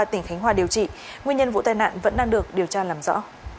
tỉnh khánh hòa điều trị nguyên nhân vụ tai nạn vẫn đang được điều tra làm rõ